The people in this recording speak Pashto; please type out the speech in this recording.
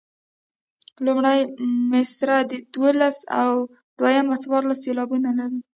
لومړۍ مصرع دولس او دویمه څوارلس سېلابونه لري.